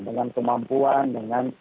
dengan kemampuan dengan